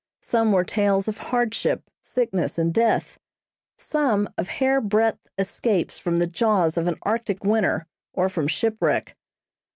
Some were tales of hardship, sickness and death; some of hair breadth escapes from the jaws of an Arctic winter, or from shipwreck.